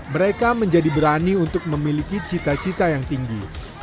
mereka menjadi berani untuk memiliki cita cita yang tinggi